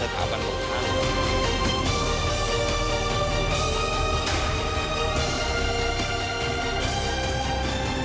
มันก็ยังอยากถามว่าทำไมต้องเป็นลูกของด้วย